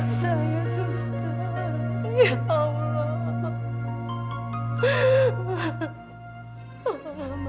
kasih hati kami suster